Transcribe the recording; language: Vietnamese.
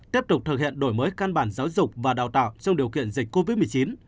tiếp tục thực hiện đổi mới căn bản giáo dục và đào tạo trong điều kiện dịch covid một mươi chín